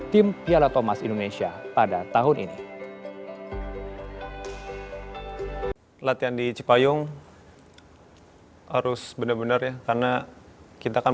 tim piala thomas indonesia pada tahun ini latihan di cipayung harus benar benar ya karena kita kan